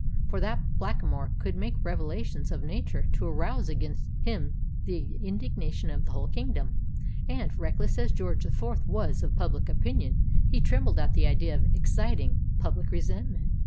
For that Blackamoor could make revelations of a nature to arouse against him the indignation of the whole kingdom; and, reckless as George the Fourth was of public opinion, he trembled at the idea of exciting public resentment.